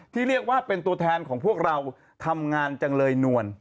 ที่เรียกว่าเป็นตัวแทนของพวกเราทำงานจังเลยนวล